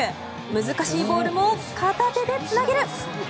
難しいボールを片手でつなげる。